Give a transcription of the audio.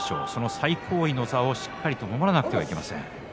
最高位の座をしっかり守らなくてはいけません。